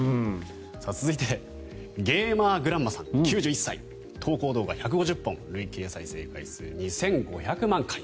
続いてＧａｍｅｒＧｒａｎｄｍａさん９１歳投稿動画１５０本累計再生回数２５００万回。